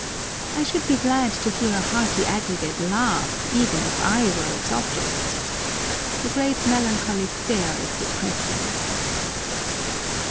I should be glad to hear a hearty aggregate laugh, even if I were its object. The great melancholy stare is depressing.